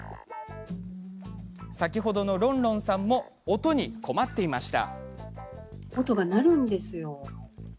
先ほどのロンロンさんも音に困っていました。